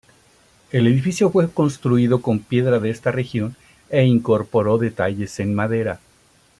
El edificio fue construido con piedra de esta región e incorporó detalles en madera.